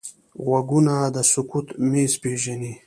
غوږونه د سکوت مزه پېژني